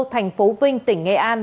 thành phố vinh tỉnh nghệ an